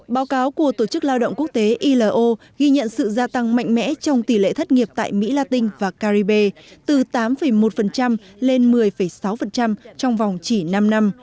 báo cáo của tổ chức lao động quốc tế ilo ghi nhận sự gia tăng mạnh mẽ trong tỷ lệ thất nghiệp tại mỹ latin và caribe từ tám một lên một mươi sáu trong vòng chỉ năm năm